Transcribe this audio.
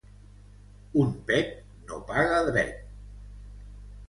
Un pet no paga dret.